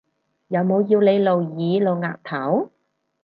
有冇要你露耳露額頭？